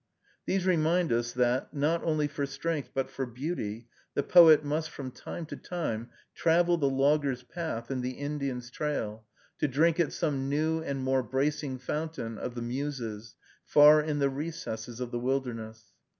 These remind us, that, not only for strength, but for beauty, the poet must, from time to time, travel the logger's path and the Indian's trail, to drink at some new and more bracing fountain of the Muses, far in the recesses of the wilderness.